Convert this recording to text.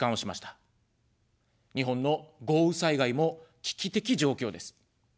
日本の豪雨災害も危機的状況です。